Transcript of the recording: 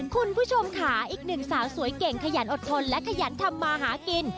คุณผู้ชมค่ะอีกหนึ่งสาวสวยเก่งขยันอดทนและขยันทำมาหากิน